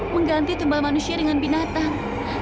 mengganti tumbal manusia dengan binatang